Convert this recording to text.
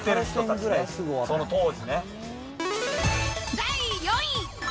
第４位。